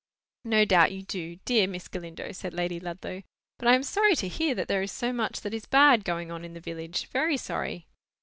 "No doubt you do, dear Miss Galindo," said Lady Ludlow. "But I am sorry to hear that there is so much that is bad going on in the village,—very sorry."